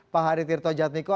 pak harith tirtaw jatniku